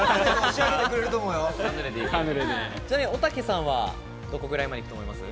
おたけさんはどこぐらいまでいくと思いますか？